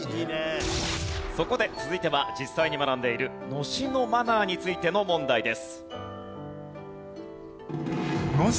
そこで続いては実際に学んでいるのしのマナーについての問題です。